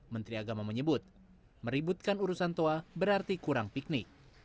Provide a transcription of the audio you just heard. menteri agama menyebut meributkan urusan toa berarti kurang piknik